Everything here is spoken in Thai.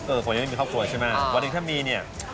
เออผมยังไม่มีครอบครัวใช่มั้ยวันนี้ถ้ามีเนี่ย